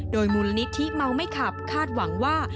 โดยมูลนิธิเมาไม่ขับคาดหวังว่า